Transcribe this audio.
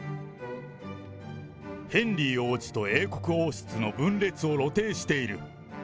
ヘンリー王子と英国王室の分裂を露呈している。